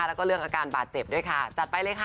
แล้วก็เรื่องอาการบาดเจ็บด้วยค่ะจัดไปเลยค่ะ